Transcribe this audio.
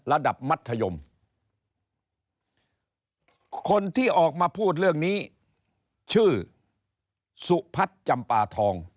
ระดับมัธยมคนที่ออกมาพูดเรื่องนี้ชื่อสุพัฒน์จำปาทอง